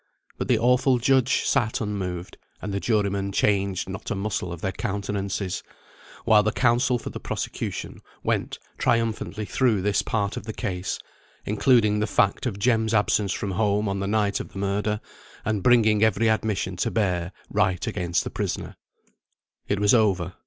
But the awful judge sat unmoved; and the jurymen changed not a muscle of their countenances; while the counsel for the prosecution went triumphantly through this part of the case, including the fact of Jem's absence from home on the night of the murder, and bringing every admission to bear right against the prisoner. It was over.